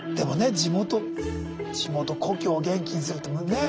地元故郷を元気にするってねえ